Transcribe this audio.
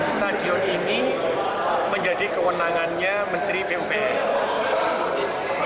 stadion ini menjadi kewenangannya menteri pupr